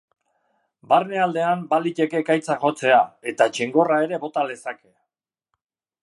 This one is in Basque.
Barnealdean baliteke ekaitzak jotzea, eta txingorra ere bota lezake.